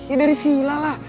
ya dari sila lah